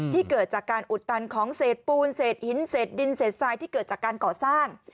เกิดจากการอุดตันของเศษปูนเศษหินเศษดินเศษทรายที่เกิดจากการก่อสร้าง